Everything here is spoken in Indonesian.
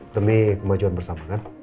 demi kemajuan bersama kan